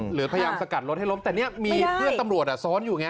หรือพยายามสกัดรถให้ล้มแต่เนี่ยมีเพื่อนตำรวจซ้อนอยู่ไง